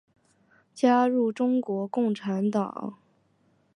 加入中国共产党。